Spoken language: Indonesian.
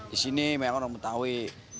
di sini memang orang betawi